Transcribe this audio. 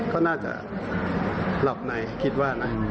ก็น่าจะหลับในคิดว่านะ